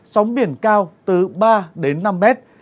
sóng biển cao từ ba đến năm mét